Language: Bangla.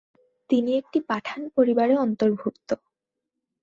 তিনি একটি পাঠান পরিবারে অন্তর্ভুক্ত।